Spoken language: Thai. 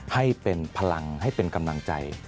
ให้เป็นพลังให้เป็นกำลังใจ